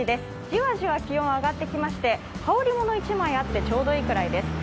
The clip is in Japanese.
じわじわ気温が上ってきまして、羽織りもの１枚あってちょうどいいぐらいです。